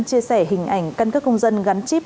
chia sẻ hình ảnh cân cướp công dân gắn chip